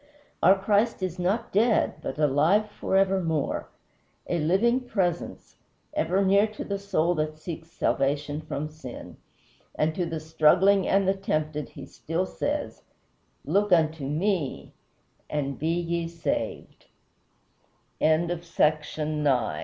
Our Christ is not dead, but alive forevermore! A living presence, ever near to the soul that seeks salvation from sin. And to the struggling and the tempted he still says, "Look unto ME, and be ye saved." X OUR LORD'S BIBLE The life of J